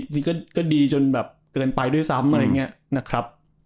จริงมาดีจนเกินไปด้วยซ้ำ